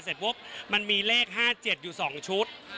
เสร็จปุ๊บมันมีเลข๕๗อยู่๒ชุด